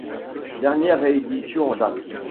Dernière réédition en date.